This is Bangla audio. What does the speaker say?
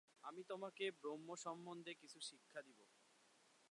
আমি তোমাকে ব্রহ্ম সম্বন্ধে কিছু শিক্ষা দিব।